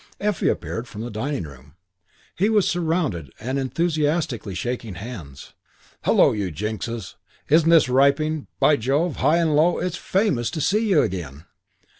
Effie appeared from the dining room. He was surrounded and enthusiastically shaking hands. "Hullo, you Jinkses! Isn't this ripping? By Jove, High and Low it's famous to see you again.